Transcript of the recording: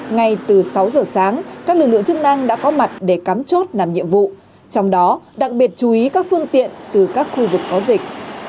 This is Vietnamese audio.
ngay từ sáu giờ sáng các lực lượng chức năng đã có mặt để cắm chốt làm nhiệm vụ trong đó đặc biệt chú ý các phương tiện từ các khu vực có dịch